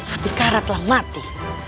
abikara telah mati